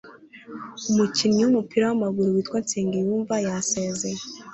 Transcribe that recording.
Umukinnyi w’umupira w’amaguru witwa nsengiyumva yasezeye